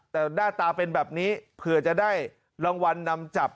แต่หน้าตาเป็นแบบนี้เผื่อจะได้รางวัลนำจับ